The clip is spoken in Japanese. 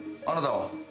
あなたは？